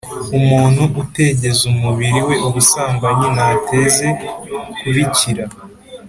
Umuntu utegeza umubiri we ubusambanyi ntateze kubirka